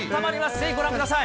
ぜひご覧ください。